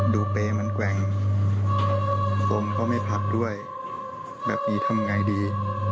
เปรย์มันแกว่งผมก็ไม่พับด้วยแบบนี้ทำไงดี